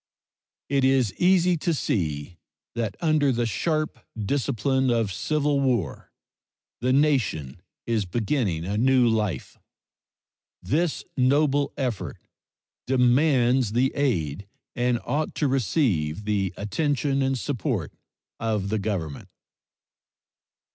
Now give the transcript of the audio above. It is easy to see that under the sharp discipline of civil war the nation is beginning a new life. This noble effort demands the aid and ought to receive the attention and support of the Government.